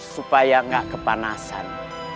supaya tidak kepanasan